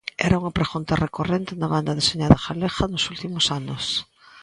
Era unha pregunta recorrente na banda deseñada galega nos últimos anos.